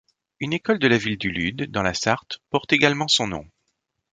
Une école de la ville du Lude, dans la Sarthe, porte également son nom.